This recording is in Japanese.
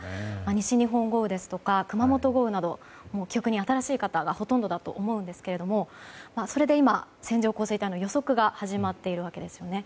西日本豪雨ですとか熊本豪雨など記憶に新しい方がほとんどだと思うんですけれどもそれで今、線状降水帯の予測が始まっているんですね。